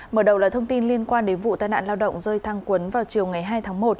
mở đầu là thông tin liên quan đến vụ tai nạn lao động rơi thăng quấn vào chiều ngày hai tháng một